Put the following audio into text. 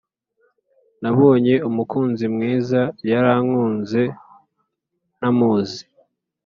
Nabonye umukunzi mwiza yarankunze ntamuzi